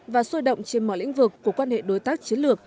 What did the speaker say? và sôi động trên mọi lĩnh vực của quan hệ đối tác